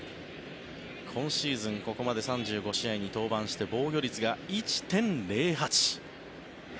今シーズン、ここまで３５試合に登板して防御率が１．０８。